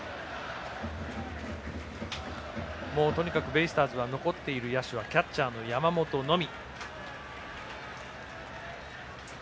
とにかくベイスターズは残っている野手はキャッチャーの山本のみ。